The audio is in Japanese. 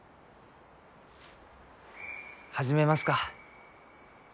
始めますか。